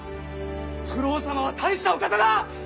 九郎様は大したお方だ！